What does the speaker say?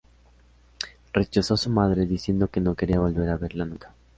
Rechazó a su madre, diciendo que no quería volver a verla nunca.